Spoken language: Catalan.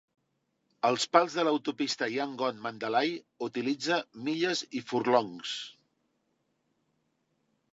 Els pals de l'autopista Yangon-Mandalay utilitza milles i furlongs.